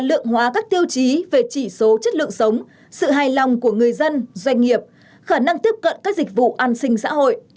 lượng hóa các tiêu chí về chỉ số chất lượng sống sự hài lòng của người dân doanh nghiệp khả năng tiếp cận các dịch vụ an sinh xã hội